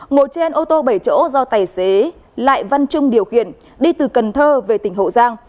ngồi trên ô tô bảy chỗ do tài xế lại văn trung điều khiển đi từ cần thơ về tỉnh hậu giang